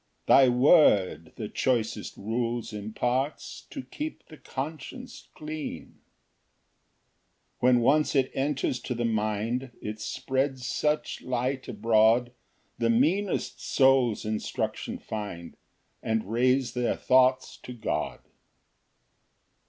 Thy word the choicest rules imparts To keep the conscience clean. Ver. 130. 2 When once it enters to the mind, It spreads such light abroad, The meanest souls instruction find, And raise their thoughts to God.